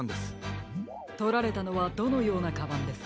とられたのはどのようなカバンですか？